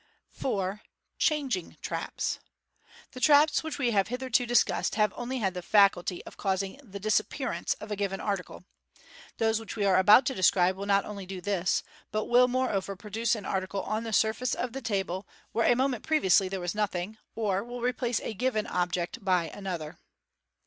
4. " Changing " Traps.— The traps which we have hitherto dis cussed have only had the faculty of causing the disappearance of a given article. Those which we are about to describe will not only do this, but will, moreover, produce an article on the surface of the table MODERN MAGIC 443 Fig. 270. where a moment previously there was nothing, or will replace a given object by another.